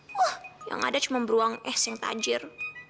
wah yang ada cuma beruang es yang tajir